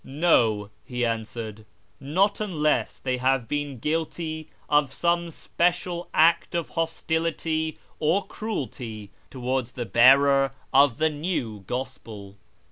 " No," he answered, " not unless they have been guilty of some special act of hostihty or cruelty towards the bearer of the new gospel."